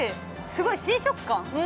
すごい新食感。